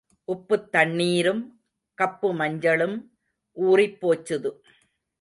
உப்புத் தண்ணீரும் கப்பு மஞ்சளும் ஊறிப் போச்சுது.